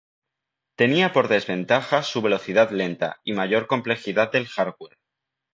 Tenía por desventaja su velocidad lenta y mayor complejidad del hardware.